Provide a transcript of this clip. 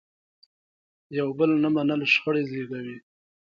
یو بل نه منل شخړې زیږوي.